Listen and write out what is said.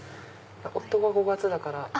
夫が５月だから。